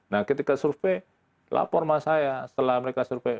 nah ketika survei lapor sama saya setelah mereka survei